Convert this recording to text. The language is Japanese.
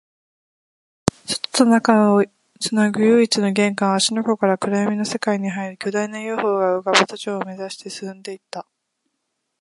外と中をつなぐ唯一の玄関、芦ノ湖から暗闇の世界に入り、巨大な ＵＦＯ が浮ぶ都庁を目指して進んでいった